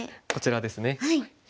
こちらですね。